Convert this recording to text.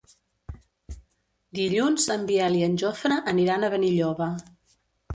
Dilluns en Biel i en Jofre aniran a Benilloba.